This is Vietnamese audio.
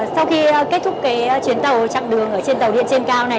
sau khi kết thúc chuyến tàu chặng đường trên tàu điện trên cao này